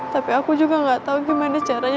tapi aku juga gak tau gimana caranya